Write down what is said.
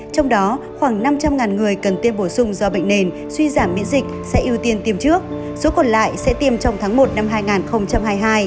trong đó khoảng năm trăm linh người cần tiêm bổ sung do bệnh nền suy giảm miễn dịch sẽ ưu tiên tiêm trước số còn lại sẽ tiêm trong tháng một năm hai nghìn hai mươi hai